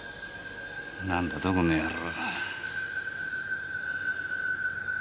なんだとこの野郎！